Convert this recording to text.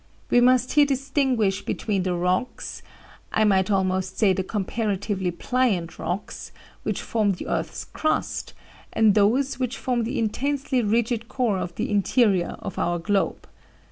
We must here distinguish between the rocks I might almost say the comparatively pliant rocks which form the earth's crust, and those which form the intensely rigid core of the interior of our globe.